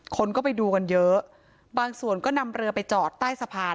คนก็ไปดูกันเยอะบางส่วนก็นำเรือไปจอดใต้สะพาน